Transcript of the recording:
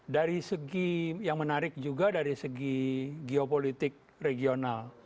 dari segi yang menarik juga dari segi geopolitik regional